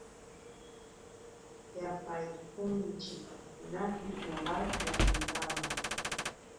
Yapaykunchik napi nogal rapintawan.